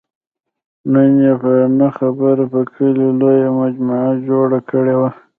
نن علي په نه خبره په کلي لویه مجمع جوړه کړې وه.